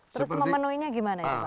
terus memenuhinya gimana ya pak